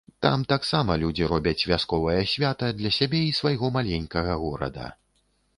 Там таксама людзі робяць вясковае свята для сябе і свайго маленькага горада.